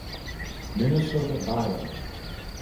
Minnesota bio